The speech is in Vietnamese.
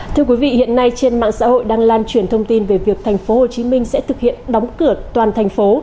thưa quý vị hiện nay trên mạng xã hội đang lan truyền thông tin về việc thành phố hồ chí minh sẽ thực hiện đóng cửa toàn thành phố